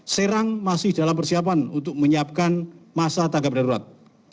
serang masih dalam persiapan untuk menyiapkan masa tanggap darurat